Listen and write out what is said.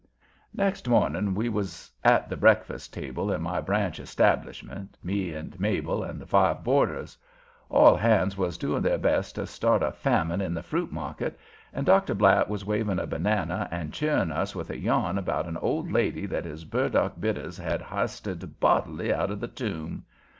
Next morning we was at the breakfast table in my branch establishment, me and Mabel and the five boarders. All hands was doing their best to start a famine in the fruit market, and Dr. Blatt was waving a banana and cheering us with a yarn about an old lady that his Burdock Bitters had h'isted bodily out of the tomb.